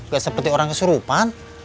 gak seperti orang kesurupan